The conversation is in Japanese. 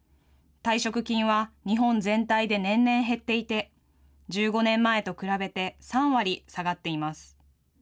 退職金は日本全体で年々減っていて、１５年前と比べて３割下がっています。